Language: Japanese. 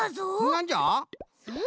なんじゃ？